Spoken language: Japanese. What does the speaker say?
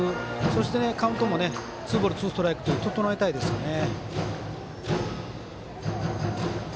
そしてカウントもツーボール、ツーストライク整えたいですよね。